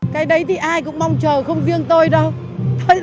cái đấy thì ai cũng mong chờ không riêng tôi đâu